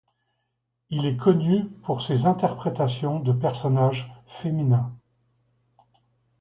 Il est connu pour ses interprétations de personnages féminins.